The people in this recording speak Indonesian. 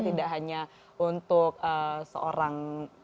tidak hanya untuk seorang